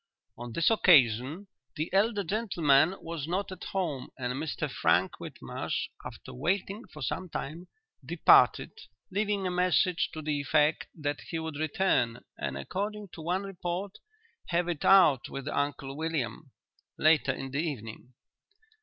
"'On this occasion the elder gentleman was not at home and Mr Frank Whitmarsh, after waiting for some time, departed, leaving a message to the effect that he would return, and, according to one report, "have it out with Uncle William," later in the evening.